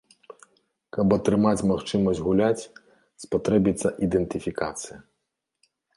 Каб атрымаць магчымасць гуляць, спатрэбіцца ідэнтыфікацыя.